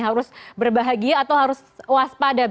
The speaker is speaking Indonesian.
harus berbahagia atau harus waspada